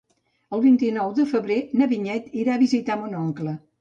El vint-i-nou de febrer na Vinyet irà a visitar mon oncle.